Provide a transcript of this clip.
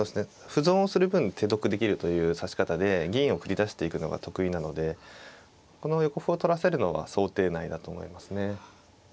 歩損をする分手得できるという指し方で銀を繰り出していくのが得意なのでこの横歩を取らせるのは想定内だと思いますね。